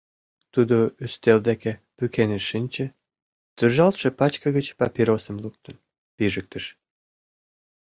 Тудо ӱстел деке пӱкеныш шинче, туржалтше пачке гыч папиросым луктын, пижыктыш.